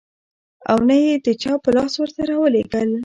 او نه يې د چا په لاس ورته راولېږل .